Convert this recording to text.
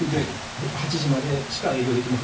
８時までしか営業できません